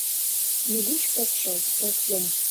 Нигуш ок шыл, ок йом.